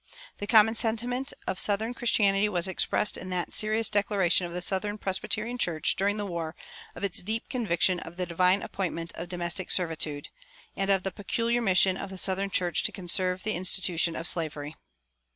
The common sentiment of southern Christianity was expressed in that serious declaration of the Southern Presbyterian Church, during the war, of its "deep conviction of the divine appointment of domestic servitude," and of the "peculiar mission of the southern church to conserve the institution of slavery."